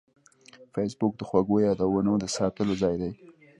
فېسبوک د خوږو یادونو د ساتلو ځای دی